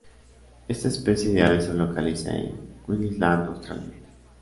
Esta especie de ave se localiza en Queensland, Australia.